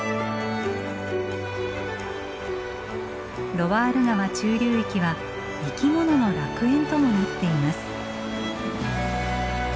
ロワール川中流域は生き物の楽園ともなっています。